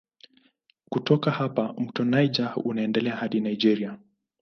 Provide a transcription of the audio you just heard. Kutoka hapa mto Niger unaendelea hadi Nigeria.